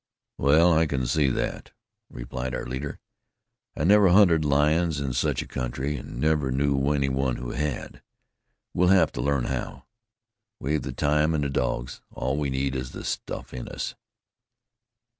"Well, I can see that," replied our leader. "I never hunted lions in such a country, and never knew any one who had. We'll have to learn how. We've the time and the dogs, all we need is the stuff in us."